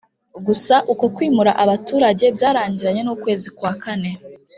gusa Uko kwimura abaturage byarangiranye nukwezi kwa kane